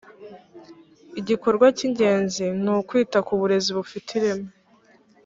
igikorwa cy ingenzi ni ukwita ku burezi bufite ireme